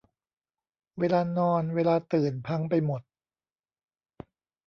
เวลานอน เวลาตื่น พังไปหมด